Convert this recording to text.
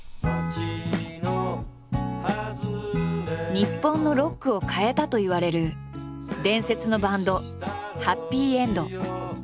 日本のロックを変えたといわれる伝説のバンドはっぴいえんど。